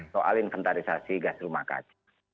soal inventarisasi gas rumah kaca